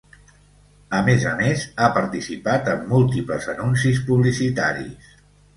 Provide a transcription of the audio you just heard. A més a més, ha participat en múltiples anuncis publicitaris.